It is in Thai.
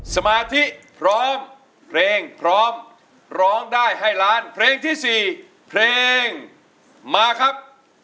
สมาธิพร้อมเพลงพร้อมร้องได้ให้ล้านเพลงที่๔เพลงมาครับ